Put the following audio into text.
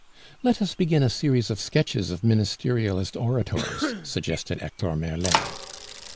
"Let us begin a series of sketches of Ministerialist orators," suggested Hector Merlin.